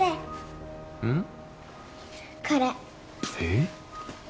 えっ？